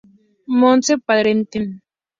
Monte perenne.